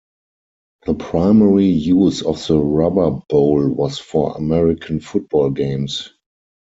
The primary use of the Rubber bowl was for American football games.